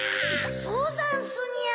そうざんすにゃ。